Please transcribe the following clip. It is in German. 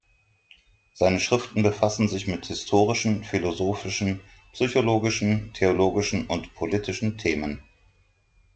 Seine Schriften befassen sich mit historischen, philosophischen, psychologischen, theologischen und politischen Themen.